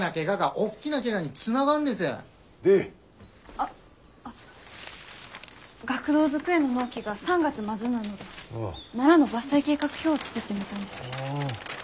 あっ学童机の納期が３月末なのでナラの伐採計画表を作ってみたんですけど。